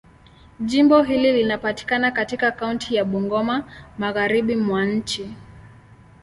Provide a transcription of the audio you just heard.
Jimbo hili linapatikana katika kaunti ya Bungoma, Magharibi mwa nchi.